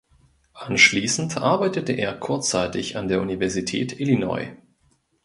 Anschließend arbeitete er kurzzeitig an der Universität Illinois.